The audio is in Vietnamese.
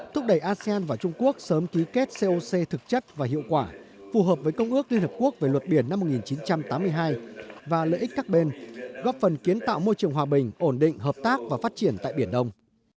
thúc đẩy asean và trung quốc sớm ký kết coc thực chất và hiệu quả phù hợp với công ước liên hợp quốc về luật biển năm một nghìn chín trăm tám mươi hai và lợi ích các bên góp phần kiến tạo môi trường hòa bình ổn định hợp tác và phát triển tại biển đông